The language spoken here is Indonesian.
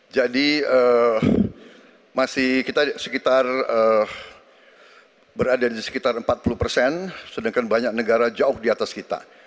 jadi masih kita sekitar berada di sekitar empat puluh persen sedangkan banyak negara jauh di atas kita